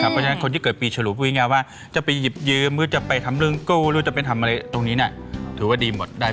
เพราะฉะนั้นคนที่เกิดปีฉลูพูดง่ายว่าจะไปหยิบยืมหรือจะไปทำเรื่องกู้หรือจะไปทำอะไรตรงนี้ถือว่าดีหมดได้